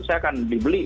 saya akan dibeli